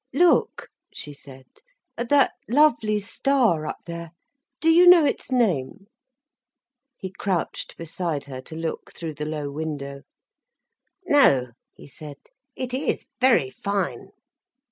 "Look," she said, "at that lovely star up there. Do you know its name?" He crouched beside her, to look through the low window. "No," he said. "It is very fine."